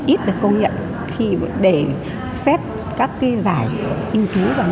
ít được công nhận để xét các cái giải nghiên cứu và nhân dân